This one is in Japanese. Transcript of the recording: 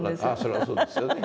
それはそうですよね。